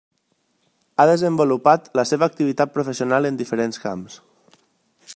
Ha desenvolupat la seva activitat professional en diferents camps.